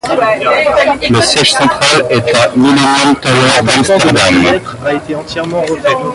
Le siège central est à la Millennium Tower d'Amsterdam.